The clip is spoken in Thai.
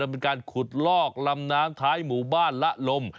เป็นการขุดลอกลำน้ำท้ายหมู่บ้านละลม